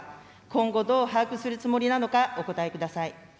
今後どう把握するつもりなのか、お答えください。